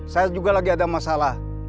saya juga lagi ada masalah